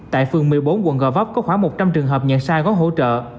tại phường một mươi bốn quận gò vấp có khoảng một trăm linh trường hợp nhận sai gói hỗ trợ